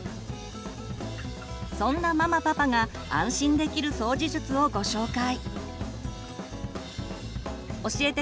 そんなママパパが安心できる掃除術をご紹介。